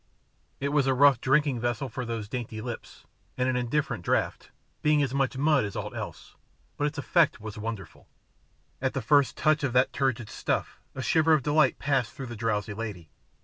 It was a rough drinking vessel for those dainty lips, and an indifferent draught, being as much mud as aught else, but its effect was wonderful. At the first touch of that turgid stuff a shiver of delight passed through the drowsy lady.